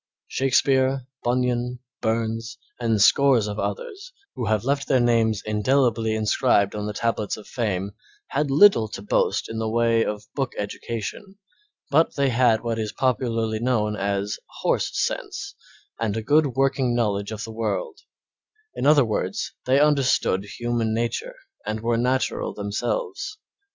Shakespeare, Bunyan, Burns, and scores of others, who have left their names indelibly inscribed on the tablets of fame, had little to boast of in the way of book education, but they had what is popularly known as "horse" sense and a good working knowledge of the world; in other words, they understood human nature, and were natural themselves.